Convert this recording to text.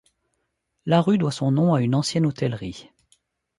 La rue doit son nom à une ancienne hôtellerie.